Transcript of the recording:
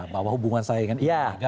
bahwa hubungan saya dengan ibu mega